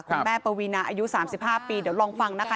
คุณแม่ปวีนาอายุ๓๕ปีเดี๋ยวลองฟังนะคะ